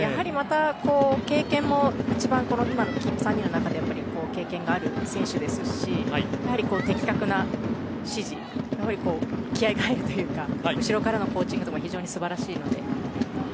また一番今の３人の中では経験のある選手ですし的確な指示、気合が入るというか後ろからのコーチングも非常に素晴らしいので。